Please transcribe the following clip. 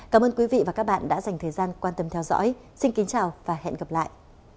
cảm ơn quý vị và các bạn đã dành thời gian quan tâm theo dõi xin kính chào và hẹn gặp lại